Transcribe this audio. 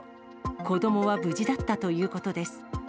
子どもは無事だったということです。